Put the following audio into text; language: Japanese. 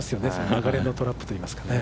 流れのトラップといいますかね。